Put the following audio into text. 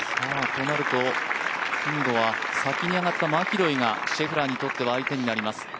となると、今度は先に上がったマキロイがシェフラーにとっては相手になります。